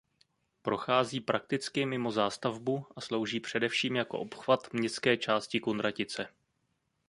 Prochází prakticky mimo zástavbu a slouží především jako obchvat městské části Kunratice.